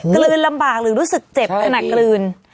กลืนลำบากหรือรู้สึกเจ็บขนาดกลืน